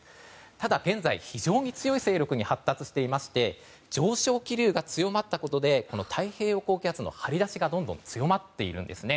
ただ、現在非常に強い勢力に発達していまして上昇気流が強まったことで太平洋高気圧の張り出しがどんどん強まっているんですね。